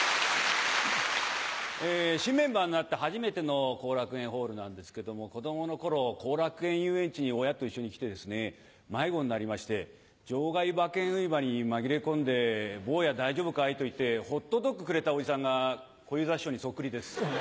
新メンバーになって初めての後楽園ホールなんですけども子供の頃後楽園ゆうえんちに親と一緒に来てですね迷子になりまして場外馬券売り場に紛れ込んで「坊や大丈夫かい？」と言ってホットドッグくれたおじさんが小遊三師匠にそっくりです。